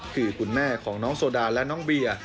คือคุณแม่ของน้องโซดาและน้องเบียร์